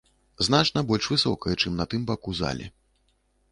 Значна больш высокае, чым на тым баку залі.